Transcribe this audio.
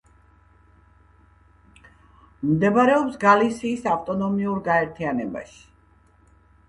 მდებარეობს გალისიის ავტონომიურ გაერთიანებაში.